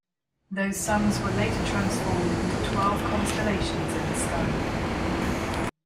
Those sons were later transformed into twelve constellations in the sky.